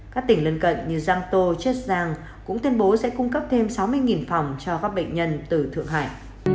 các tỉnh lân cận như giang tô jek giang cũng tuyên bố sẽ cung cấp thêm sáu mươi phòng cho các bệnh nhân từ thượng hải